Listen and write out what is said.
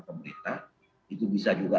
pemerintah itu bisa juga